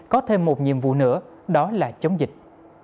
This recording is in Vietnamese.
có thêm một nhiệm vụ nữa đó là chống dịch